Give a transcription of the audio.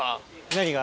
何が？